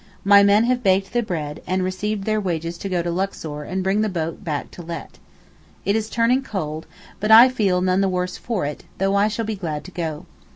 My men have baked the bread, and received their wages to go to Luxor and bring the boat back to let. It is turning cold, but I feel none the worse for it, though I shall be glad to go.